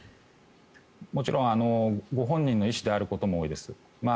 もちろんご本人の意思であることも多いです。